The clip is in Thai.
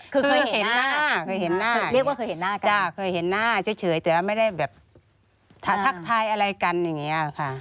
คือเคยเห็นหน้าเคยเห็นหน้าเคยเห็นหน้าเฉยแต่ว่าไม่ได้แบบทักทายอะไรกันอย่างนี้ค่ะ